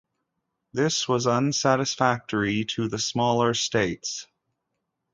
This was unsatisfactory to the smaller states.